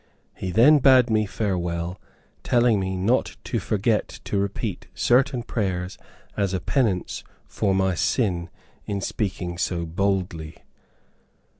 He then bade me farewell, telling me not to forget, to repeat certain prayers as a penance for my sin in speaking so boldly.